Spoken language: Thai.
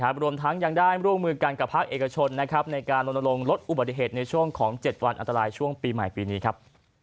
รวมทั้งยังได้ร่วมมือกันกับภาคเอกชนในการลงลดอุบัติเหตุในช่วงของ๗วันอันตรายช่วงปีใหม่ปีนี้ครับ